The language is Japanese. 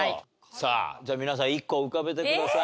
さあじゃあ皆さん１個浮かべてください。